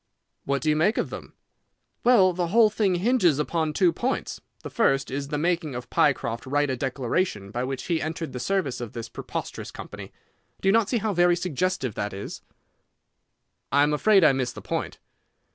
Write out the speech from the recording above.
"What do you make of them?" "Well, the whole thing hinges upon two points. The first is the making of Pycroft write a declaration by which he entered the service of this preposterous company. Do you not see how very suggestive that is?" "I am afraid I miss the point."